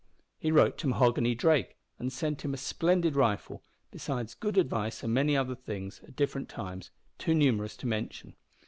He wrote to Mahoghany Drake and sent him a splendid rifle, besides good advice and many other things, at different times, too numerous to mention.